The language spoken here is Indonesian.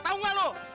tau nggak lu